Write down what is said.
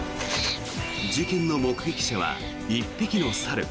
事件の目撃者は１匹の猿。